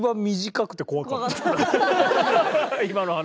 今の話。